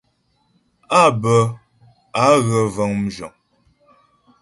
Á bə á gə vəŋ mzhəŋ (wagons).